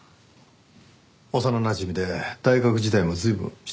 幼なじみで大学時代も随分親しくされてたとか。